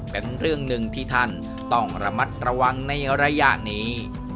เป็นเรื่องหนึ่งที่ท่านต้องระมัดระวังในระยะนี้